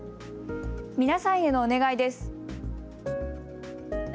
皆さんへのお願いです。